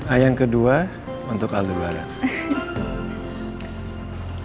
a yang kedua untuk aldo barat